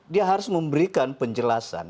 dia harus memberikan penjelasan